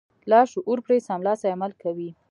لاشعور پرې سملاسي عمل کوي.